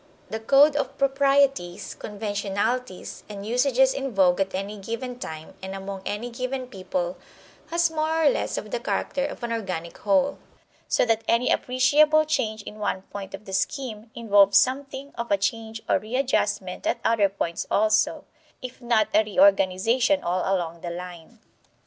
The code of proprieties, conventionalities, and usages in vogue at any given time and among any given people has more or less of the character of an organic whole; so that any appreciable change in one point of the scheme involves something of a change or readjustment at other points also, if not a reorganization all along the line.